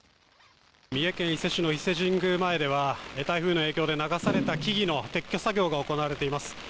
三重県伊勢市の伊勢神宮前では台風の影響で流された木々の撤去作業が行われています。